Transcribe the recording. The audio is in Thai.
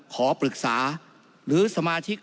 ขอปรึกษาหรือสมาชิก